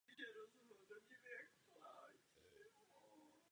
Hora je oblíbeným cílem horolezců z celého světa.